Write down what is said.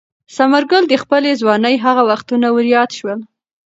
ثمرګل ته د خپلې ځوانۍ هغه وختونه وریاد شول.